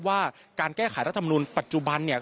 ว่าการแก้ไขรัฐมนุนปัจจุบันเนี่ย